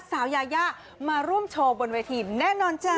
สาวยายามาร่วมโชว์บนเวทีแน่นอนจ้า